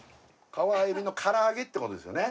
川エビの唐揚げってことですよね・